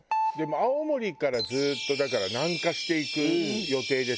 青森からずっとだから南下していく予定でしょ。